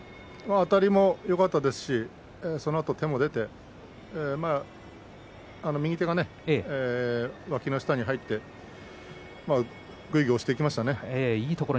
あたりもよかったですしそのあと手も出て右手がね、わきの下に入ってぐいぐい押していきましたね。